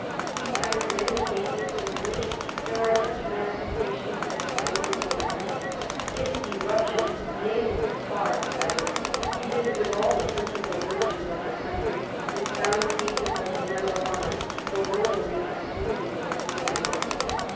He cites many cases in which there are such manifestations as swollen glands, skin eruptions, nasal catarrh, etc. He visited all the principal villages of the country, and found cases of "Nelavane," the local name for sleeping sickness, in most.